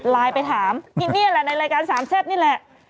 ไปถามอีนี่แหละในรายการสามแซ่บนี่แหละ